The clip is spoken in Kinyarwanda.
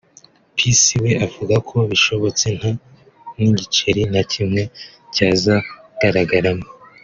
Peace we avuga ko bishobotse nta n’igiceri na kimwe cyazayagaragaramo